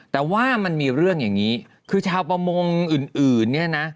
แต่ว่ามันมีเรื่องอย่างนี้คือชาวประมงอื่นเนี่ยนะ